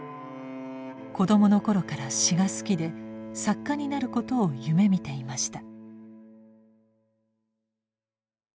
子どもの頃から詩が好きで作家になることを夢見ていました。